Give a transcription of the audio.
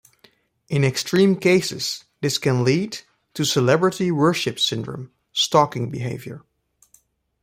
In extreme cases, this can lead to celebrity worship syndrome, stalking behavior.